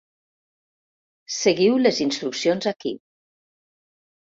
Seguiu les instruccions aquí.